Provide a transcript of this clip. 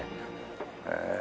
へえ。